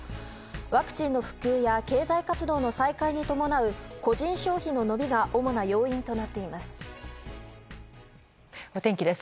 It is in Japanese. ワクチンの普及や経済活動の再開に伴う個人消費の伸びが主な要因となっています。